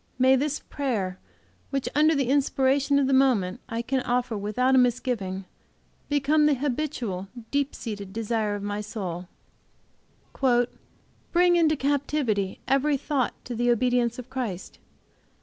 May this prayer, which, under the inspiration of the moment, I can offer without a misgiving, become the habitual, deep seated desire of my soul: "Bring into captivity every thought to the obedience of Christ.